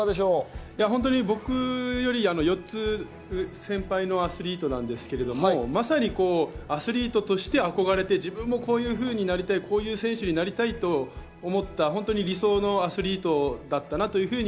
僕より４つ先輩のアスリートなんですけども、まさにアスリートとして憧れで、自分もこういうふうになりたい、こういう選手になりたいと思った理想のアスリートだったなと。